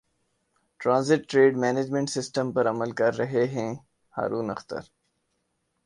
transit trade management system پر عمل کر رہے ہیں ہارون اختر